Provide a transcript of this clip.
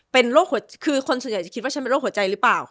เป็นโรคหัวคือคนส่วนใหญ่จะคิดว่าฉันเป็นโรคหัวใจหรือเปล่า